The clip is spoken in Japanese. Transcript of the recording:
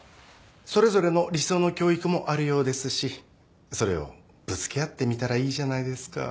それぞれの理想の教育もあるようですしそれをぶつけ合ってみたらいいじゃないですか。